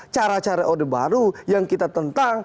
cara cara orde baru yang kita tentang